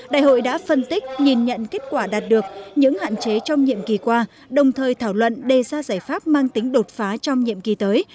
đại hội đã phân tích nhìn nhận kết quả đạt được những hạn chế trong nhiệm kỳ qua đồng thời thảo luận đề ra giải pháp mang tính đột phá trong nhiệm kỳ tới